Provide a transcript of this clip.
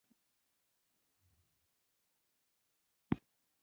په پلورنځي کې باید د هر جنس مشخصات لیکل شوي وي.